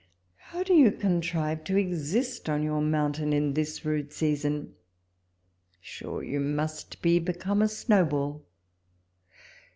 How do you contrive to exist on your mountain in this rude season ? Sure you must be become a snowball